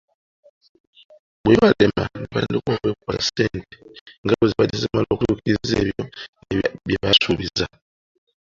Bwe bibalema ne batandika okwekwasa ssente nga bwezibadde tezimala kutuukiriza ebyo byebaasuubiza.